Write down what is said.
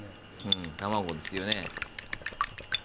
うん卵ですよね。